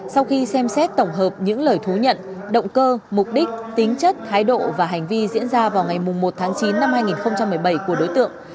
sau khi xem xét tổng hợp những lời thú nhận động cơ mục đích tính chất thái độ và hành vi diễn ra vào ngày một tháng chín năm hai nghìn một mươi bảy của đối tượng